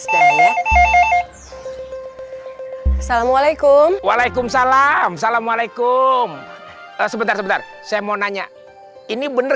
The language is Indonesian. assalamualaikum waalaikumsalam assalamualaikum sebentar sebentar saya mau nanya ini bener